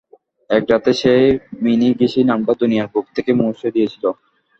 এক রাতেই সে মিনিগিশি নামটা দুনিয়ার বুক থেকে মুছে দিয়েছিল।